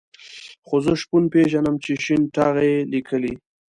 خو زه شپون پېژنم چې شين ټاغی یې لیکلی.